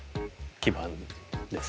基板です。